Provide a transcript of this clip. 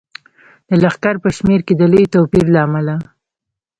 د لښکر په شمیر کې د لوی توپیر له امله.